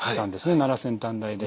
奈良先端大で。